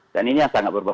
dan ini yang sangat berbaloi